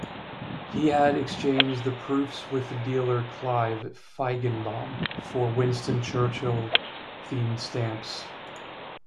He had exchanged the proofs with dealer Clive Feigenbaum for Winston Churchill themed stamps.